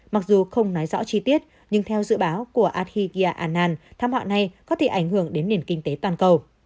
mặc dù không nói rõ chi tiết nhưng theo dự báo của abhigya anand tham họa này có thể ảnh hưởng đến nền kinh tế toàn cầu